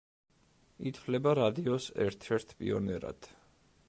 ითვლება რადიოს ერთ-ერთ პიონერად.